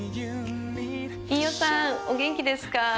飯尾さんお元気ですか？